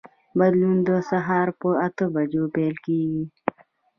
بدلون د سهار په اته بجو پیل کېږي.